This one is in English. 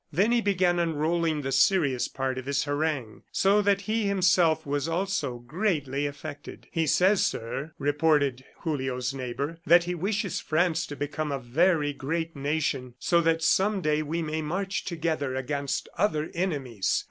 Then he began unrolling the serious part of his harangue, so that he himself, was also greatly affected. "He says, sir," reported Julio's neighbor, "that he wishes France to become a very great nation so that some day we may march together against other enemies